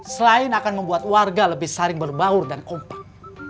selain akan membuat warga lebih saling berbaur dan kompak